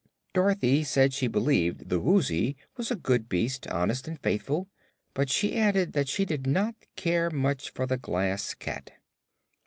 Dorothy said she believed the Woozy was a good beast, honest and faithful; but she added that she did not care much for the Glass Cat.